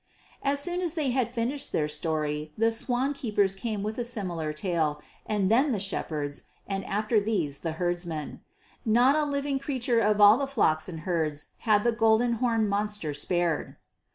As soon as they had finished their story the swan keepers came with a similar tale, and then the shepherds, and after these the herdsmen. Not a living creature of all the flocks and herds had the golden horned monster spared.